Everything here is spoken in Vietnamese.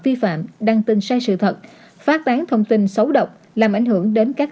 phòng chống dịch bệnh đăng tin sai sự thật phát tán thông tin xấu độc làm ảnh hưởng đến các